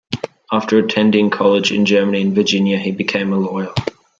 After attending college in Germany and Virginia, he became a lawyer.